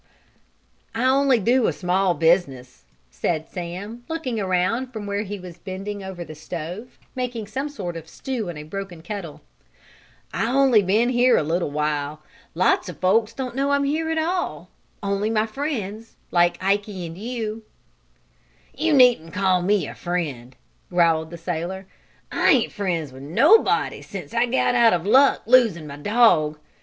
"I only do a small business," said Sam, looking around from where he was bending over the stove, making some sort of a stew in a broken kettle. "I only been here a little while. Lots of folks don't know I'm here at all only my friends, like Iky and you." [Illustration: "A man came in a sailor like himself."] "You needn't call me a friend," growled the sailor. "I ain't friends with nobody since I got out of luck losing my dog.